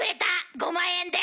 ５万円で！